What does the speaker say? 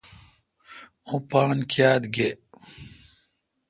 اں پان کیا تھ گے°